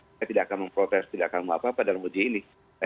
saya tidak akan memproses tidak akan memapa pada uji ini